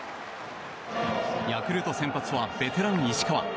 ヤクルト先発はベテラン、石川。